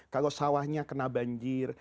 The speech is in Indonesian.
kalau sawahnya kena banjir